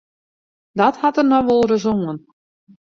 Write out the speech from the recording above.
Dat hat der noch wolris oan.